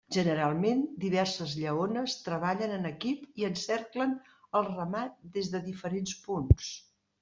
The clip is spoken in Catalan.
Generalment, diverses lleones treballen en equip i encerclen el ramat des de diferents punts.